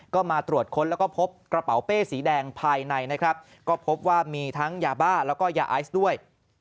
ก็มาตรวจค้นแล้วก็พบกระเป๋าเป้สีแดงภายในนะครับก็พบว่ามีทั้งยาบ้าแล้วก็ยาไอซ์ด้วย